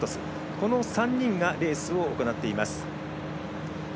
この３人がレースを行っています。